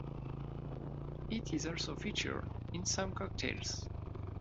It is also featured in some cocktails.